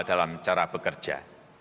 dalam cara bekerja